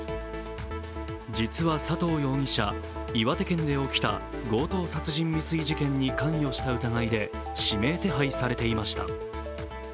実は佐藤容疑者、岩手県で起きた強盗殺人未遂事件に関与した疑いで指名手配されていました。